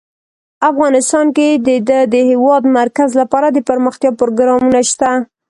افغانستان کې د د هېواد مرکز لپاره دپرمختیا پروګرامونه شته.